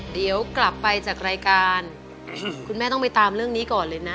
เดี๋ยวกลับไปจากรายการคุณแม่ต้องไปตามเรื่องนี้ก่อนเลยนะ